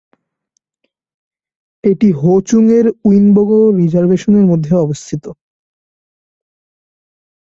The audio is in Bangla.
এটি হো-চুঙ্কের উইনেবাগো রিজার্ভেশনের মধ্যে অবস্থিত।